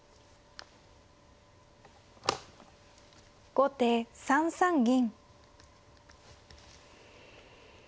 後手３三銀。